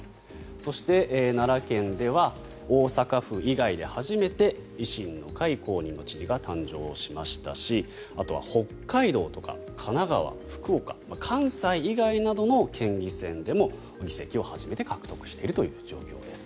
そして、奈良県では大阪府以外で初めて維新の会公認の知事が誕生しましたしあとは北海道とか神奈川、福岡関西以外などの県議選でも議席を初めて獲得しているという状況です。